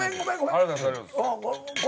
ありがとうございます。